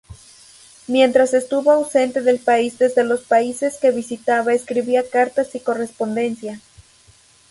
Mientras estuvo ausente del país desde los países que visitaba escribía cartas y correspondencia.